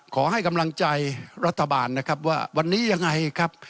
ขอให้กำลังใจรัฐบาลนะครับว่าวันนี้ยังไงครับ